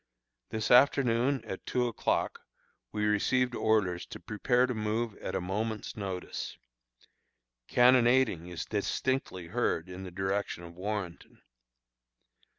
This afternoon, at two o'clock, we received orders to prepare to move at a moment's notice. Cannonading is distinctly heard in the direction of Warrenton.